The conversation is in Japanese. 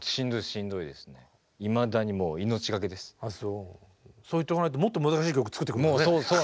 しんどいですねそう言っとかないともっと難しい曲作ってくるもんね。